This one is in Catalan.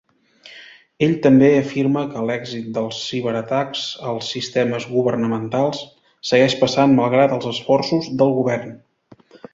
Ell també afirma que l'èxit dels ciberatacs als sistemes governamentals segueix passant malgrat els esforços del govern.